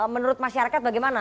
menurut masyarakat bagaimana